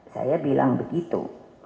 saya bilang begitu